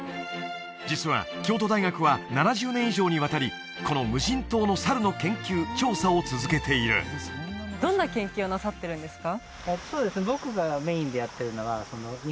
実は京都大学は７０年以上にわたりこの無人島の猿の研究調査を続けているどんな研究をなさってるんですか？